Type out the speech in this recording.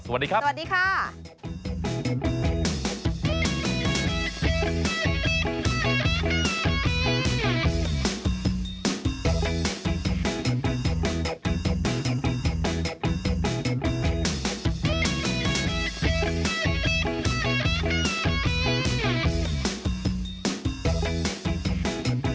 สวัสดีครับ